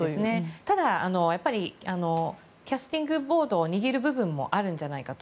ただキャスティングボートを握る部分もあるんじゃないかと。